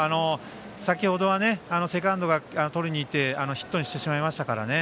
先程はセカンドがとりにいってヒットにしてしまいましたから。